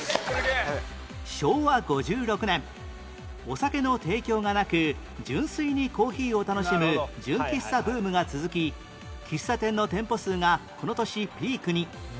昭和５６年お酒の提供がなく純粋にコーヒーを楽しむ純喫茶ブームが続き喫茶店の店舗数がこの年ピークに